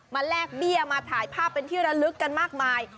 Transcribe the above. แลกเบี้ยมาถ่ายภาพเป็นที่ระลึกกันมากมาย